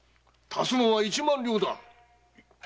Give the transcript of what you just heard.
足すのは一万両だ。